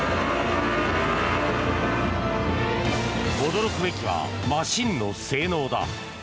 驚くべきはマシンの性能だ。